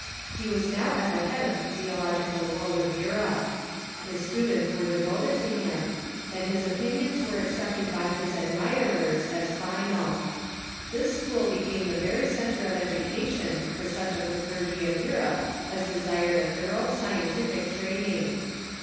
He was now at the head of the theological world of Europe. His students were devoted to him, and his opinions were accepted by his admirers as final. This school became the very centre of education for such of the clergy of Europe as desired a thorough scientific training.